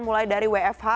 mulai dari wfh